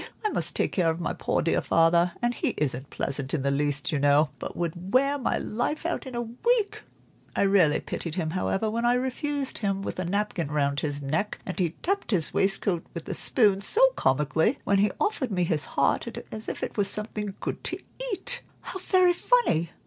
I must take care of my poor dear father, and he isn't pleasant in the least, you know, but would wear my life out in a week. I really pitied him, however, when I refused him, with a napkin round his neck, and he tapped his waistcoat with a spoon so comically, when he offered me his heart, as if it were something good to eat." "How very funny!